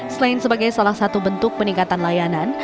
selain sebagai salah satu bentuk peningkatan layanan